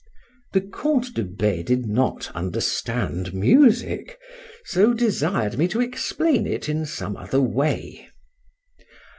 —The Count de B— did not understand music, so desired me to explain it some other way.